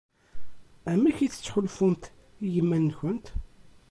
Amek i tettḥulfumt i yiman-nkent?